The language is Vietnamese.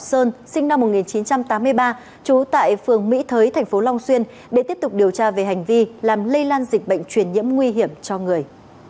trần sơn sinh năm một nghìn chín trăm tám mươi ba trú tại phường mỹ thới tp long xuyên để tiếp tục điều tra về hành vi làm lây lan dịch bệnh truyền nhiễm nguy hiểm cho người